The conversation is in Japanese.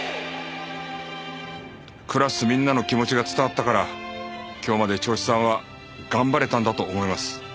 クラスみんなの気持ちが伝わったから今日まで銚子さんは頑張れたんだと思います。